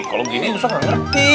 kalau gini musa nggak ngerti